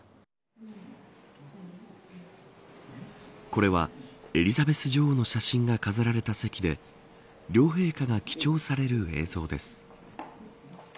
これはエリザベス女王の写真が飾られた席で両陛下が記帳される映像です。